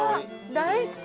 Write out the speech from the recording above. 大好き！